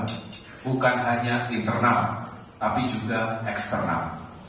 bukan hanya internal tapi juga eksternal